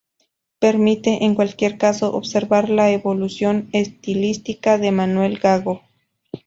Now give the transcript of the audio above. Permite, en cualquier caso, observar la evolución estilística de Manuel Gago.